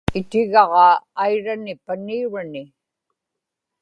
itigaġaa airani paniurani